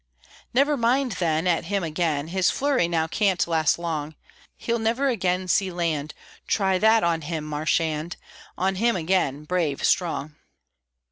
Never mind then, at him again! His flurry now can't last long; He'll never again see land, Try that on him, Marchand! On him again, brave Strong!